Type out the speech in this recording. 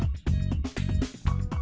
cơ quan tổ chức